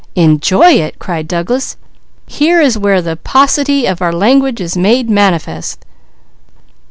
"Enjoy it!" cried Douglas. "Here is where the paucity of our language is made manifest."